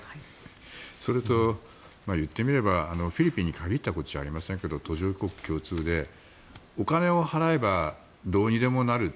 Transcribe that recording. それと言ってみればフィリピンに限ったことじゃありませんが途上国共通でお金を払えばどうにでもなる。